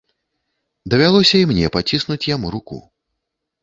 Давялося і мне паціснуць яму руку.